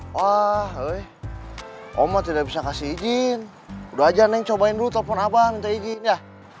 wah omo tidak bisa kasih izin udah aja neng cobain dulu telepon abang minta izin ya